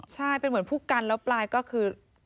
ใช่เป็นเหมือนผู้กันแล้วปลายก็คือ